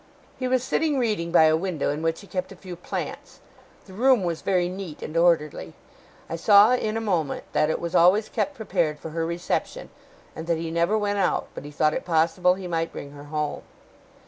He was sitting reading by a window in which he kept a few plants. The room was very neat and orderly. I saw in a moment that it was always kept prepared for her reception, and that he never went out but he thought it possible he might bring her home.